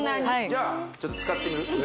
じゃあちょっと使ってみる？